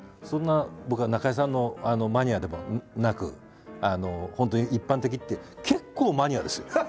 「そんな僕は中井さんのマニアでもなく本当に一般的」って結構マニアですよ。